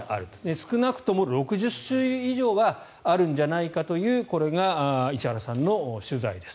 少なくとも６０種類以上はあるんじゃないかというこれが石原さんの取材です。